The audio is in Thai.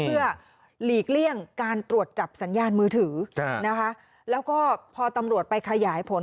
เพื่อหลีกเลี่ยงการตรวจจับสัญญาณมือถือนะคะแล้วก็พอตำรวจไปขยายผล